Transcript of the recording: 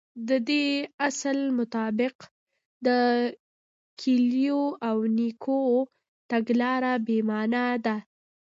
د دې اصل مطابق د ګيلو او نيوکو تګلاره بې معنا ده.